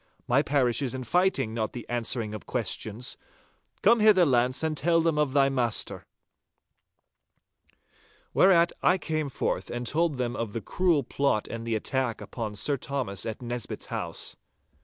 My parish is fighting, not the answering of questions. Come hither, Launce, and tell them of thy master!' Whereat I came forth and told them of the cruel plot and the attack upon Sir Thomas at Nisbett's house.